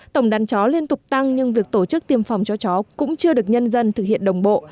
tổng đàn chó liên tục tăng nhưng việc tổ chức tiêm phòng cho chó cũng chưa được nhân dân thực hiện đồng bộ